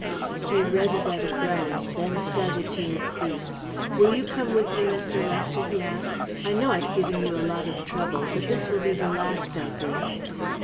He read it at a glance, then started to his feet. "Will you come with me, Mr. Lester?" he asked. "I know I've given you a lot of trouble, but this will be the last, I think."